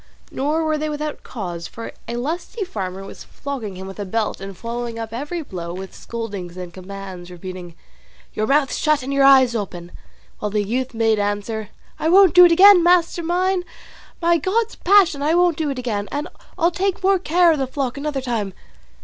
Nor were they without cause, for a lusty farmer was flogging him with a belt and following up every blow with scoldings and commands, repeating, "Your mouth shut and your eyes open!" while the youth made answer, "I won't do it again, master mine; by God's passion I won't do it again, and I'll take more care of the flock another time."